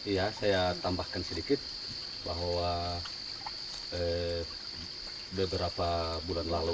iya saya tambahkan sedikit bahwa beberapa bulan lalu